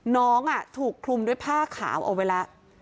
น้องถูกคลุมด้วยผ้าขาวเอาไว้แล้ว